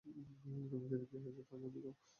তুমি সেদিন কী হয়েছে তা জানতে চাও?